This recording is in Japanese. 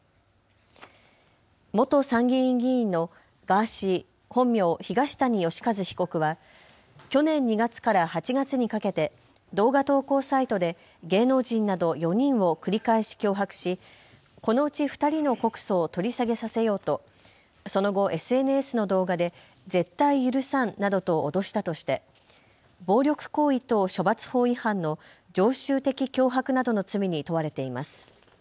元参議院議員のガーシー、本名、東谷義和被告は去年２月から８月にかけて動画投稿サイトで芸能人など４人を繰り返し脅迫しこのうち２人の告訴を取り下げさせようとその後ＳＮＳの動画で絶対許さんなどと脅したとして暴力行為等処罰法違反の常習的脅迫などの罪に問われています。